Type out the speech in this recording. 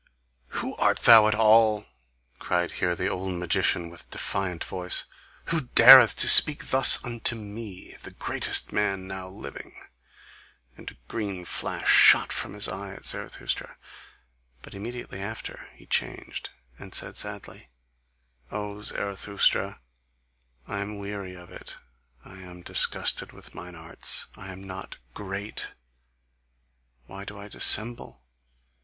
"Who art thou at all!" cried here the old magician with defiant voice, "who dareth to speak thus unto ME, the greatest man now living?" and a green flash shot from his eye at Zarathustra. But immediately after he changed, and said sadly: "O Zarathustra, I am weary of it, I am disgusted with mine arts, I am not GREAT, why do I dissemble!